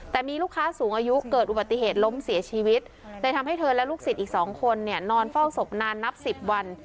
แต่มีลูกค้าสูงอายุเกิดอุบัติเหตุล้มเสียชีวิตเลยทำให้เธอและลูกศิษย์อีก๒คนเนี่ยนอนเฝ้าศพนานนับ๑๐วัน